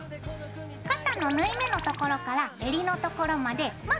肩の縫い目のところからえりのところまでまずなぞります。